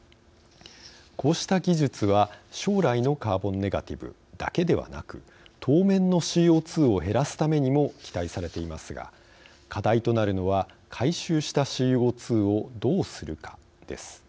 こうした技術は、将来のカーボンネガティブだけではなく当面のＣＯ２を減らすためにも期待されていますが課題となるのは回収したＣＯ２をどうするかです。